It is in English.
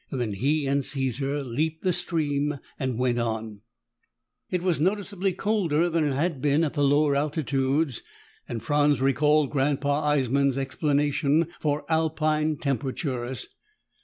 Then he and Caesar leaped the stream and went on. It was noticeably colder than it had been at the lower altitudes and Franz recalled Grandpa Eissman's explanation for Alpine temperatures.